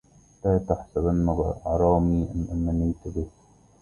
لا تحسبن عرامي إن منيت به